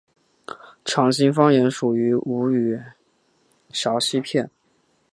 长兴方言属于吴语苕溪片。